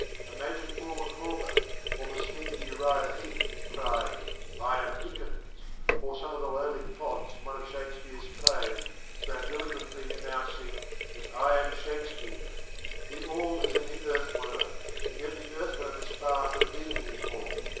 Imagine poor Micawber, or the sneaky Uriah Heep, crying: "I Am Dickens"; or some of the lowly clods in one of Shakespeare's plays, eloquently announcing that: "I Am Shakespeare!" THE ALL is in the earthworm, and yet the earth worm is far from being THE ALL.